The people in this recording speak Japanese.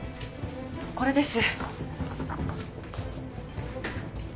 これです。